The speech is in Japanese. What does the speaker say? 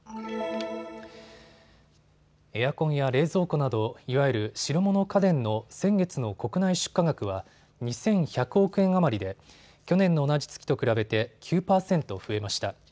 エアコンや冷蔵庫などいわゆる白物家電の先月の国内出荷額は２１００億円余りで去年の同じ月と比べて９％増えました。